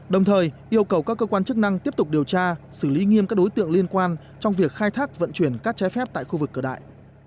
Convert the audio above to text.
đồng thời yêu cầu các cơ quan chức năng tiếp tục điều tra xử lý nghiêm các đối tượng liên quan trong việc khai thác vận chuyển các trái phép tại khu vực cửa đại